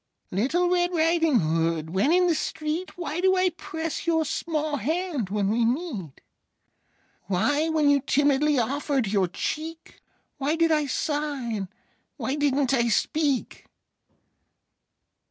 Little Red Riding Hood, when in the street, Why do I press your small hand when we meet? Why, when you timidly offered your cheek, Why did I sigh, and why didn't I speak?